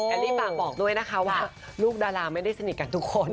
อันนี้ฝากบอกด้วยนะคะว่าลูกดาราไม่ได้สนิทกันทุกคน